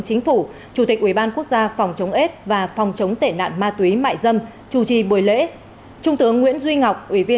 xin chào và hẹn gặp lại